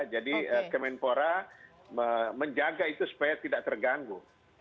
jadi kemenpora menjaga itu supaya tidak terganggu